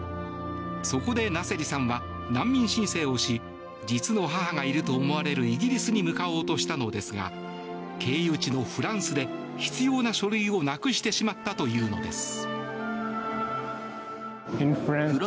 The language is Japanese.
そこでナセリさんは難民申請をし実の母がいると思われるイギリスに向かおうとしたのですが経由地のフランスで必要な書類をなくしてしまったというのです。